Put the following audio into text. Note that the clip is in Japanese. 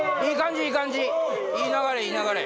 いい流れいい流れ。